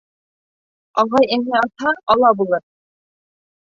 Ағай-эне аҙһа, ала булыр.